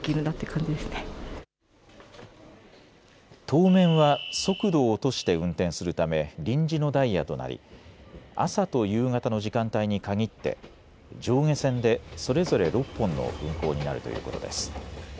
当面は速度を落として運転するため臨時のダイヤとなり朝と夕方の時間帯に限って上下線でそれぞれ６本の運行になるということです。